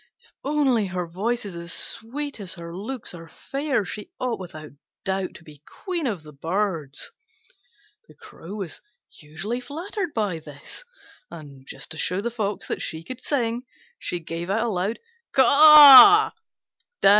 If only her voice is as sweet as her looks are fair, she ought without doubt to be Queen of the Birds." The Crow was hugely flattered by this, and just to show the Fox that she could sing she gave a loud caw.